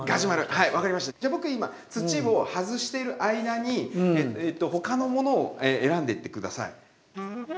じゃあ僕今土を外してる間に他のものを選んでいって下さい。